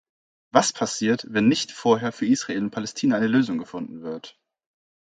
Was passiert, wenn nicht vorher für Israel und Palästina eine Lösung gefunden wird?